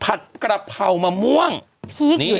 มะม่วงสุกก็มีเหมือนกันมะม่วงสุกก็มีเหมือนกัน